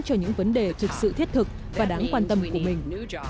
cho những vấn đề thực sự thiết thực và đáng quan tâm của mình